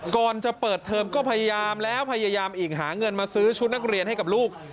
ก่อนจะเปิดเทอมก็พยายามแล้วพยายามอีกหาเงินมาซื้อชุดนักเรียนให้กับลูก